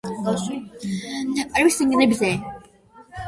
პარმისა და პიაჩენცის ჰერცოგ რანუციო ფარნეზეს დედა.